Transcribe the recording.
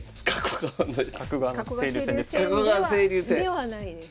ではないです。